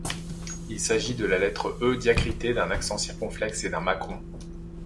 Il s'agit de la lettre E diacritée d'un accent circonflexe et d’un macron.